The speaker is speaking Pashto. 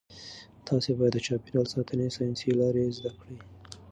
تاسي باید د چاپیریال ساتنې ساینسي لارې زده کړئ.